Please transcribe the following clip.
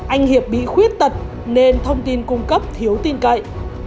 anh hiệp bị khuyết tật nên thông tin cung cấp thiếu tin cậy